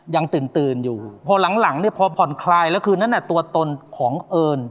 ยังตื่นตื่นอยู่พอหลังหลังเนี่ยพอผ่อนคลายแล้วคืนนั้นตัวตนของเอิญ